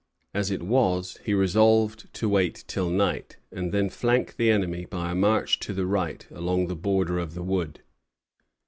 As it was, he resolved to wait till night, and then flank the enemy by a march to the right along the border of the wood.